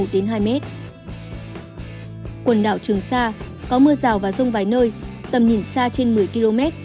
quần đảo trường sa có mưa rào và rông vài nơi tầm nhìn xa trên một mươi km